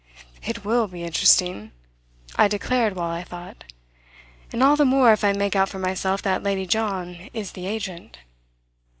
"It will be interesting," I declared while I thought "and all the more if I make out for myself that Lady John is the agent."